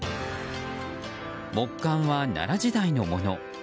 木簡は奈良時代のもの。